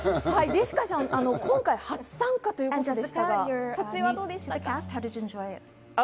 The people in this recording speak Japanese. ジェシカさん、今回、初参加ということでしたが、撮影はどうでしたか？